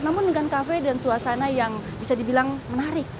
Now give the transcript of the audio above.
namun dengan kafe dan suasana yang bisa dibilang menarik